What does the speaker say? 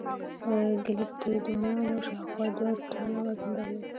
ګلیپتودونانو شاوخوا دوه ټنه وزن درلود.